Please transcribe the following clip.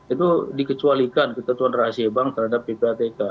itu dikecualikan ketentuan rahasia bank terhadap ppatk